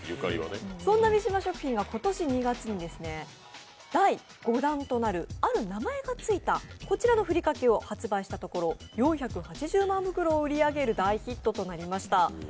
そんな三島食品が今年２月に第５弾となるある名前がついたこちらのふりかけを発売したところ、４８０万袋を売り上げる大ヒットとなりました。